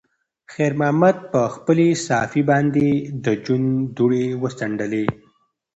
خیر محمد په خپلې صافې باندې د ژوند دوړې وڅنډلې.